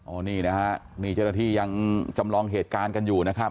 นี่นะฮะนี่เจ้าหน้าที่ยังจำลองเหตุการณ์กันอยู่นะครับ